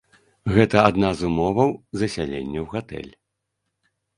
Гэта адна з умоваў засялення ў гатэль.